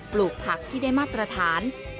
ปลูกผักที่ได้มาตรฐาน